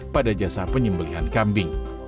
pada jasa penyembelihan kambing